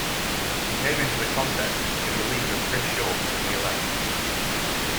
He came into the contest in relief of Chris Short in the eleventh.